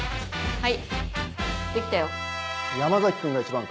はい。